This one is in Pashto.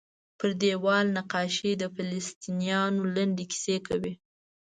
پر دیوال نقاشۍ د فلسطینیانو لنډې کیسې کوي.